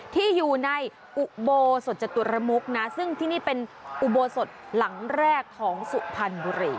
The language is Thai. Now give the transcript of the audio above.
ที่อยู่ในอุโบสถจตุรมุกนะซึ่งที่นี่เป็นอุโบสถหลังแรกของสุพรรณบุรี